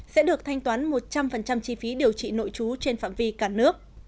sẽ được thanh toán một trăm linh chi phí điều trị nội trú trên phạm vi cả nước